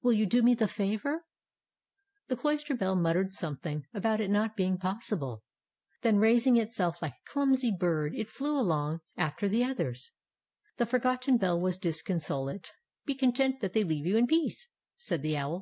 Will you do me the favor ?" The cloister bell muttered something about its not being possible. Then raising itself like a clumsy bird, it flew along after ii8 Tales of Modern Germany the others. The forgotten bell was dis consolate. '' Be content that they leave you in peace/" said the Owl.